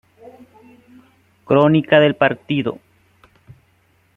Crónica del partido